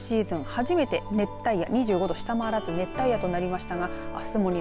初めて熱帯夜２５度を下回らず熱帯夜となりました。